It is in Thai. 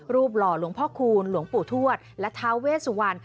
หล่อหลวงพ่อคูณหลวงปู่ทวดและท้าเวสวรรณ